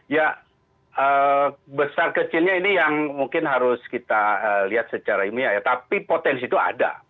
ya besar kecilnya ini yang mungkin harus kita lihat secara ilmiah ya tapi potensi itu ada